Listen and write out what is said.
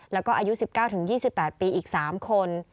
และอายุ๑๙๒๘ปีอีก๓คน